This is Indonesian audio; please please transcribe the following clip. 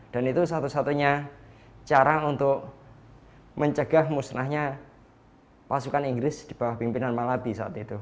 dan itu satu satunya cara untuk mencegah musnahnya pasukan inggris di bawah pimpinan malabi saat itu